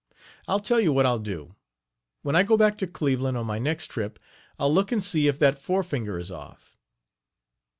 I'll tell you what I'll do, when I go back to Cleveland on my next trip I'll look and see if that fore finger is off.